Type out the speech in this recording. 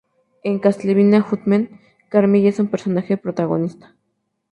En "Castlevania Judgment", Carmilla es un personaje protagonista.